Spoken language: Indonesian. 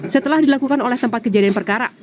setelah dilakukan oleh tempat kejadian perkara